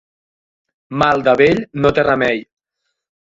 Mal de vell no té remei.